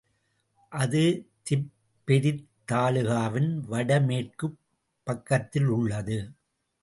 அது திப்பெரரித் தாலுகாவின் வடமேற்குப் பக்கத்திலுள்ளது.